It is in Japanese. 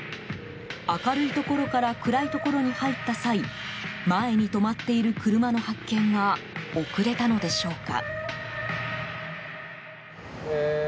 明るいところから暗いところに入った際前に止まっている車の発見が遅れたのでしょうか？